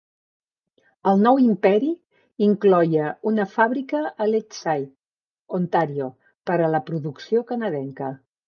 El nou imperi incloïa una fàbrica a Leaside, Ontario, per a la producció canadenca.